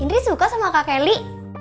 indri suka sama kak kelly